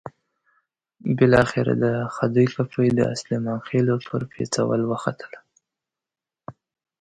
بالاخره د خدۍ کپۍ د سلیمان خېلو پر پېڅول وختله.